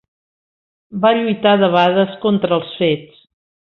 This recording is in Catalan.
Va lluitar debades contra els fets.